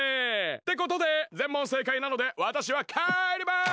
ってことで全問正解なのでわたしはかえります！